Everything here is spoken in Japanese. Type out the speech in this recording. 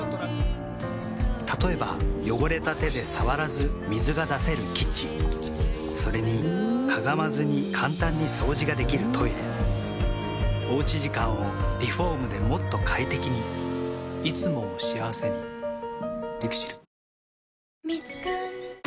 例えば汚れた手で触らず水が出せるキッチンそれにかがまずに簡単に掃除ができるトイレおうち時間をリフォームでもっと快適にいつもを幸せにＬＩＸＩＬ。